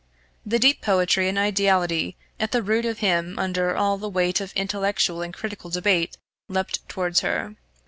The deep poetry and ideality at the root of him under all the weight of intellectual and critical debate leapt towards her.